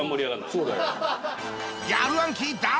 そうだよ。